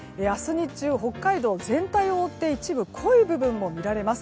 日中、北海道全体を覆って一部、濃い部分も見られます。